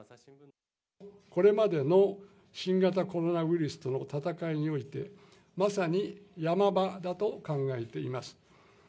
これまでの新型コロナウイルスとの闘いにおいて、まさにヤマ場だと考えています。